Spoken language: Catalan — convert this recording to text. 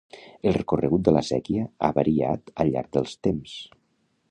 El recorregut de la séquia ha variat al llarg dels temps.